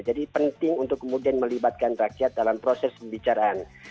jadi penting untuk kemudian melibatkan rakyat dalam proses pembicaraan